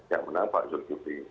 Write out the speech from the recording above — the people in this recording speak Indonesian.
yang menampak zulkifli